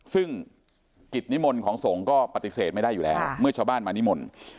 ซึ่งกิจนิมนต์ของสงฆ์ก็ปฏิเสธไม่ได้อยู่แล้วเมื่อชาวบ้านมานิมนต์